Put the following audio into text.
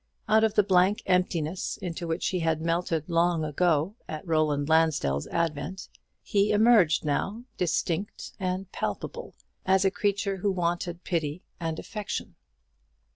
Out of the blank emptiness into which he had melted long ago at Roland Lansdell's advent, he emerged now, distinct and palpable, as a creature who wanted pity and affection.